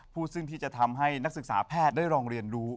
ซึ่งที่จะทำให้นักศึกษาแพทย์ได้ลองเรียนรู้